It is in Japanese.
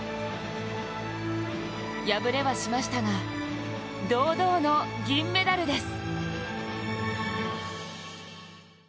破れはしましたが、堂々の銀メダルです。